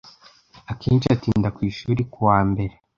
Akenshi atinda ku ishuri ku wa mbere.